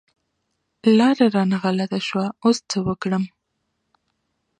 لاره رانه غلطه شوه، اوس څه وکړم؟